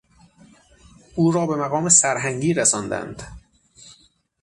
او را به مقام سرهنگی رساندند.